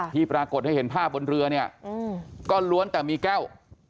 ที่ปรากฏให้เห็นภาพบนเรือเนี่ยก็ล้วนแต่มีแก้ว